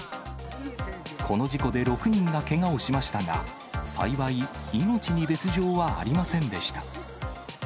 この事故で６人がけがをしましたが、幸い、命に別状はありませんでした。